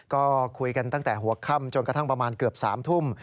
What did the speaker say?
ก็คุยกันตั้งแต่หัวค่ำจนกระทั่งประมาณเกือบ๓ทุ่ม